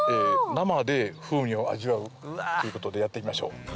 生で風味を味わうということでやってみましょう。